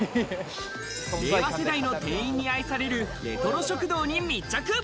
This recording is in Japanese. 令和世代の店員に愛されるレトロ食堂に密着。